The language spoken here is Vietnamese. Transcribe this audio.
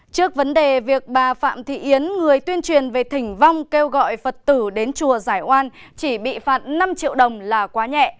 trước vấn đề việc bà phạm thị yến người tuyên truyền về thỉnh vong kêu gọi phật tử đến chùa giải oan chỉ bị phạt năm triệu đồng là quá nhẹ